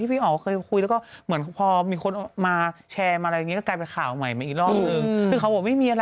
ที่พี่อ๋อเคยคุยแล้วก็เหมือนพอมีคนมาแชร์มาอะไรอย่างนี้